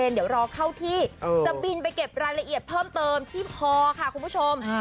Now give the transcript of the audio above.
เดี๋ยวรอเข้าที่จะบินไปเก็บรายละเอียดเพิ่มเติมที่พอค่ะคุณผู้ชม